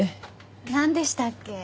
何でしたっけ？